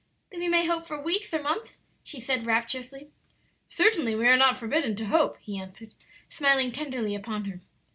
"Then we may hope for weeks or months?" she said, rapturously. "Certainly we are not forbidden to hope," he answered, smiling tenderly upon her.